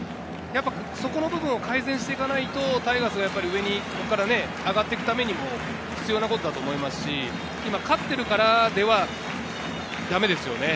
そこの部分を改善していかないとタイガースは上に上がっていくためにも必要なことだと思いますし、今勝っているからではダメですよね。